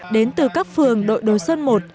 đến từ các phường đội đồ sơn i